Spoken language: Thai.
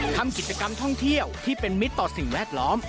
ทำกิจกรรมท่องเที่ยวที่เป็นมิตรต่อสิ่งแวดล้อม